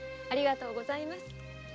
ありがとうございます。